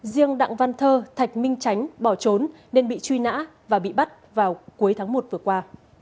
riêng đặng văn thơ thạch minh tránh bỏ trốn nên bị truy nã và bị bắt vào cuối tháng một vừa qua